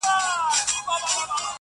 د يو سري مار خوراك يوه مړۍ وه!!